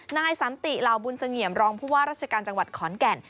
นายสันติเหล่าบุญเสงี่ยมรองผู้ว่าราชการจังหวัดขอนแก่น